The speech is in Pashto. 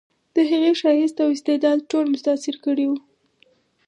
د هغې ښایست او استعداد ټول متاثر کړي وو